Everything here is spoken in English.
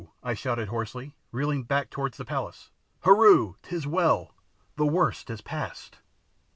I shouted hoarsely, reeling back towards the palace, "Heru, 'tis well; the worst is past!"